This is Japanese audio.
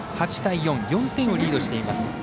８対４、４点をリードしています。